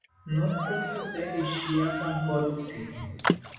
Notzitzite ishiya pankotzi